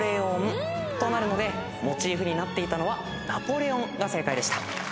モチーフになっていたのはナポレオンが正解でした。